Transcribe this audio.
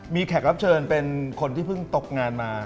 มีแขกรับเชิญเป็นคนที่เพิ่งตกงานมา